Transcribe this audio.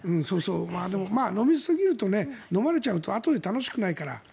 でも、飲みすぎるとのまれちゃうとあとで楽しくないから。